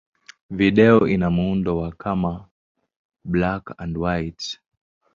Video ina muundo wa kama black-and-white.